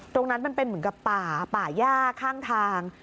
ตรงนั้นมันเป็นเหมือนกับป่าป่าย่าข้างทาง